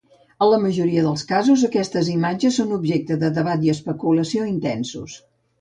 En la majoria dels casos, aquestes imatges són objecte de debat i especulació intensos.